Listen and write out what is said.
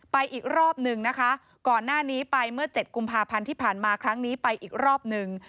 อีกรอบหนึ่งนะคะก่อนหน้านี้ไปเมื่อเจ็ดกุมภาพันธ์ที่ผ่านมาครั้งนี้ไปอีกรอบหนึ่ง